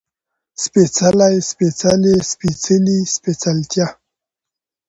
سپېڅلی، سپېڅلې، سپېڅلي، سپېڅلتيا